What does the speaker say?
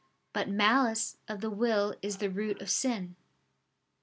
But malice of the will is the root of sin.